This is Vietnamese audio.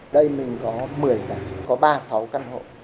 đây mình có một mươi tầng có ba mươi sáu căn hộ